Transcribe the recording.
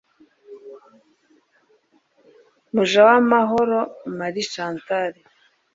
mujawamahoro marie chantal